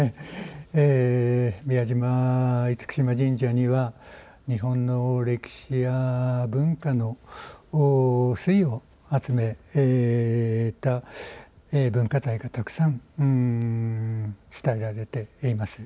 宮島、厳島神社には日本の歴史や文化の粋を集めた文化財がたくさん伝えられています。